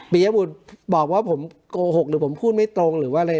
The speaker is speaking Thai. ยบุตรบอกว่าผมโกหกหรือผมพูดไม่ตรงหรือว่าอะไร